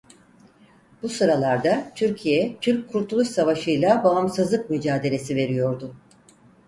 Bu sıralarda Türkiye Türk Kurtuluş Savaşı'yla bağımsızlık mücadelesi veriyordu.